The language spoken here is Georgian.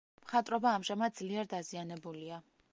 მხატვრობა ამჟამად ძლიერ დაზიანებულია.